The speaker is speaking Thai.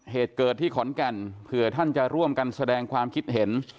เหตุเกิดที่ขอนแก่นเผื่อท่านจะร่วมกันแสดงความคิดเห็น